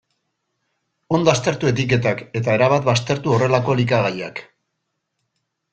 Ondo aztertu etiketak, eta erabat baztertu horrelako elikagaiak.